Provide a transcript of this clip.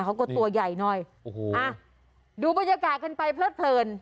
เขาก็ตัวใหญ่หน่อยโอ้โหอ่ะดูบรรยากาศกันไปเพลิดเพลิน